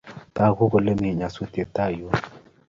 Tagu kole mi nyasutyet tai yun.